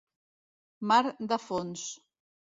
Mar de fons.